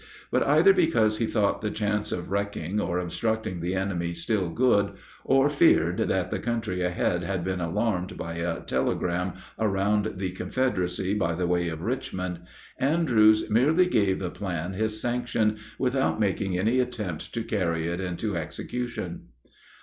But either because he thought the chance of wrecking or obstructing the enemy still good, or feared that the country ahead had been alarmed by a telegram around the Confederacy by the way of Richmond, Andrews merely gave the plan his sanction without making any attempt to carry it into execution.